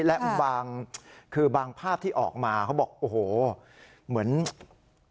และบางภาพที่ออกมาเขาบอกโอ้โฮเหมือนอะไรดี